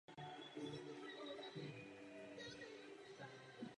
Vytvoření přechodových regionů je proto nezbytné.